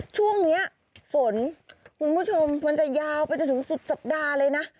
ช่วงนี้ฝนคุณผู้ชมมันจะยาวไปจนถึงสุดสัปดาห์เลยนะ